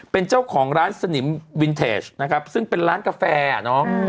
เป็นเจ้าของร้านสนิมวินเทจนะครับซึ่งเป็นร้านกาแฟอ่ะเนาะ